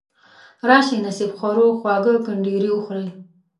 راشئ نصیب خورو خواږه کنډیري وخورئ.